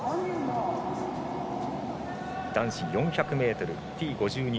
男子４００ｍＴ５２